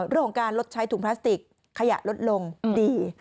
เรื่องของการลดใช้ถุงพลาสติกขยะลดลงดี